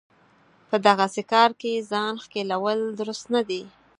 په دغسې کار کې ځان ښکېلول درست نه دی.